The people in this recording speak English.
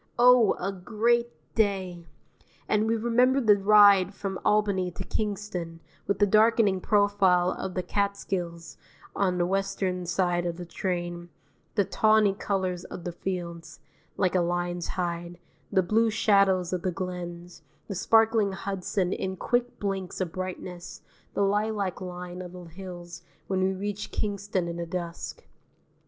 Oh, a great day! And we remember the ride from Albany to Kingston, with the darkening profile of the Catskills on the western side of the train, the tawny colours of the fields (like a lion's hide), the blue shadows of the glens, the sparkling Hudson in quick blinks of brightness, the lilac line of the hills when we reached Kingston in the dusk.